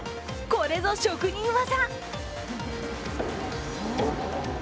これぞ職人技！